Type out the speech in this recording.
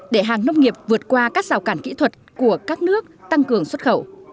để hàng nông nghiệp vượt qua các rào cản kỹ thuật của các nước tăng cường xuất khẩu